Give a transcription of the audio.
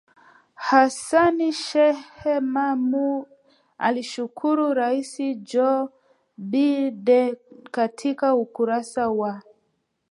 Hassan Sheikh Mohamud alimshukuru Raisi Joe Biden katika ukurasa wa